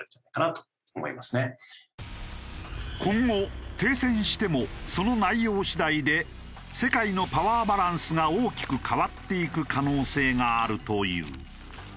今後停戦してもその内容次第で世界のパワーバランスが大きく変わっていく可能性があるという。